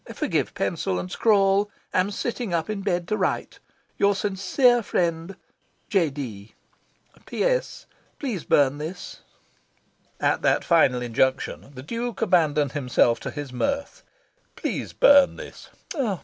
Forgive pencil and scrawl. Am sitting up in bed to write. Your sincere friend, "Z. D. "P.S. Please burn this." At that final injunction, the Duke abandoned himself to his mirth. "Please burn this."